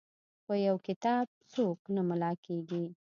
په یو کتاب څوک نه ملا کیږي.